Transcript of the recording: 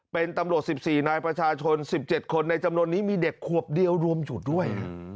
เป็นตำรวจ๑๔นายประชาชน๑๗คนในจำนวนนี้มีเด็กขวบเดียวรวมอยู่ด้วย